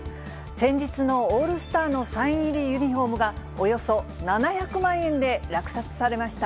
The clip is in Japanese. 先日のオールスターのサイン入りユニホームが、およそ７００万円で落札されました。